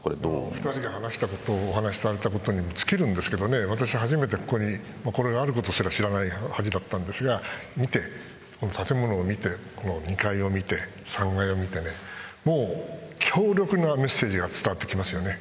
２人が話したことに尽きるんですけど私は初めて、これがあることを知らなかったんですがこの建物を見て２階を見て、３階を見て強力なメッセージが伝わってきますよね。